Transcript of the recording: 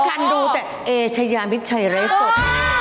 ประกันดูแต่เอเชยามิชชัยเรสด